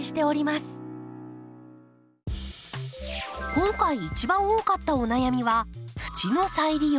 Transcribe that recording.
今回一番多かったお悩みは土の再利用。